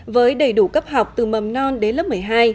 với đầy đủ cấp học từ mầm non đến lớp một mươi hai